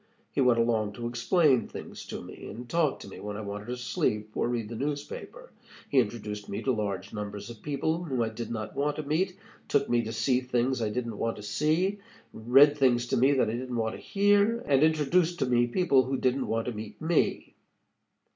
He went along to explain things to me, and talk to me when I wanted to sleep or read the newspaper. He introduced me to large numbers of people whom I did not want to meet, took me to see things I didn't want to see, read things to me that I didn't want to hear, and introduced to me people who didn't want to meet me.